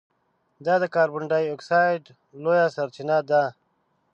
دا د کاربن ډای اکسایډ لویه سرچینه ده.